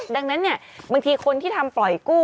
ดังนั้นเนี่ยบางทีคนที่ทำปล่อยกู้